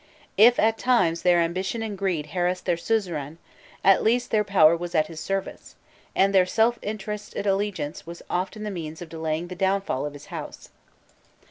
If at times their ambition and greed harassed their suzerain, at least their power was at his service, and their self interested allegiance was often the means of delaying the downfall of his house.